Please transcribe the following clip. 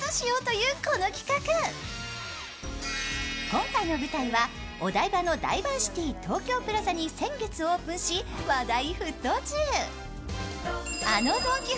今回の舞台は、お台場のダイバーシティ東京プラザに先月オープンし、話題沸騰中。